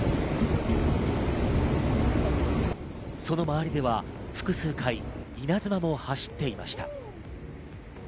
その周りでは複数回、稲妻も走っていました。